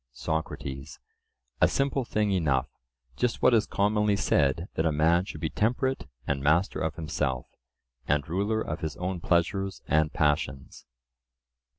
SOCRATES: A simple thing enough; just what is commonly said, that a man should be temperate and master of himself, and ruler of his own pleasures and passions.